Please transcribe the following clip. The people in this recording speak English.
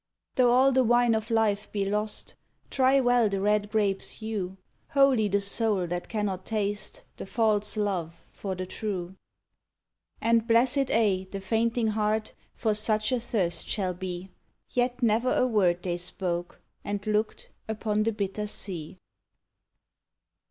Though all the wine of life be lost, Try well the red grape's hue. Holy the soul that cannot taste The false love for the true. And blessed aye the fainting heart For such a thirst shall be Yet never a word they spoke, and looked Upon the bitter sea.